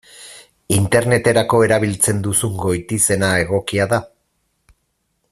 Interneterako erabiltzen duzun goitizena egokia da?